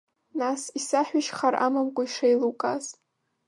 Нас, исаҳәишь хар амамкәа ишеилукааз.